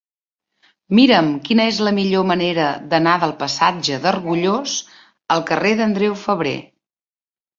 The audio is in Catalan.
Mira'm quina és la millor manera d'anar del passatge d'Argullós al carrer d'Andreu Febrer.